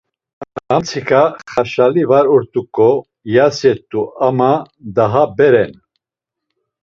Amtsiǩa xaşali var ort̆uǩo iyaset̆u ama daha bere’n.